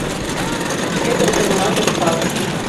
Шке тосыжымат ок пале.